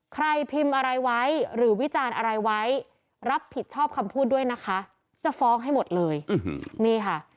พิมพ์อะไรไว้หรือวิจารณ์อะไรไว้รับผิดชอบคำพูดด้วยนะคะจะฟ้องให้หมดเลยนี่ค่ะ